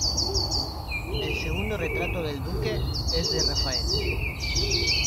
El segundo retrato del Duque es de Rafael.